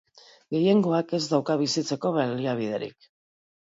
Gehiengoak ez dauka bizitzeko baliabiderik.